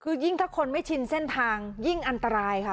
คือยิ่งถ้าคนไม่ชินเส้นทางยิ่งอันตรายค่ะ